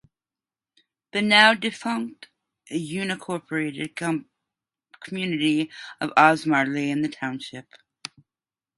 The now defunct unincorporated community of Osmer lay in the township.